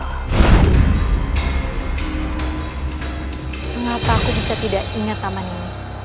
kenapa aku bisa tidak ingat nama ini